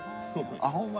あほんま？